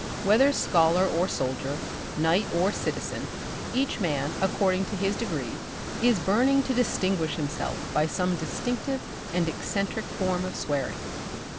Whether scholar or soldier, knight or citizen, each man, according to his degree, is burning to distinguish himself by some distinctive and eccentric form of swearing.